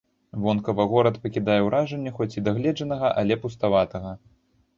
Вонкава горад пакідае ўражанне хоць і дагледжанага, але пуставатага.